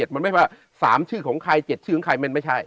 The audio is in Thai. มันไม่ว่า๓ชื่อของใคร๗ชื่อของใครมันไม่ใช่